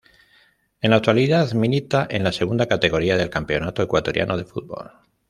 En la actualidad milita en la Segunda Categoría del Campeonato Ecuatoriano de Fútbol.